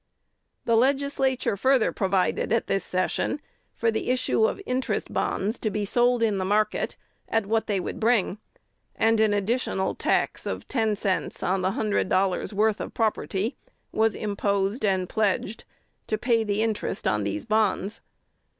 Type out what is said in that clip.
The Legislature further provided, at this session, for the issue of interest bonds, to be sold in the market at what they would bring; and an additional tax of ten cents on the hundred dollars' worth of property was imposed and pledged, to pay the interest on these bonds.